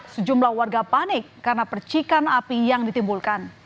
sejumlah warga panik karena percikan api yang ditimbulkan